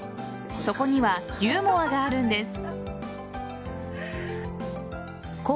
そこにはユーモアがあるんです。